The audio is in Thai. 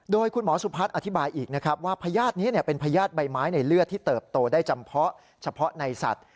โดยคุณหมอสุพัฒน์อธิบายอีกนะครับว่าพญาตินี้เป็นพญาติใบไม้ในเลือดที่เติบโตได้จำเพาะเฉพาะในสัตว์